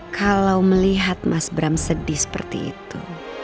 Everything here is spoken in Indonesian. kalau melihat mas bram sedih seperti itu